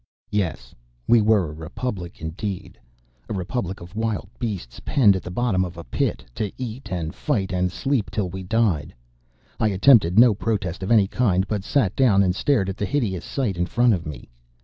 Yes, we were a Republic indeed! A Republic of wild beasts penned at the bottom of a pit, to eat and fight and sleep till we died. I attempted no protest of any kind, but sat down and stared at the hideous sight in front of me.